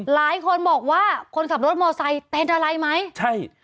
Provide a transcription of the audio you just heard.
หลายคนบอกว่าคนขับรถมอไซค์เป็นอะไรไหมใช่